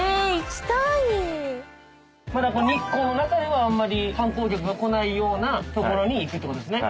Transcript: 日光の中ではあんまり観光客が来ないような所に行くってことですね。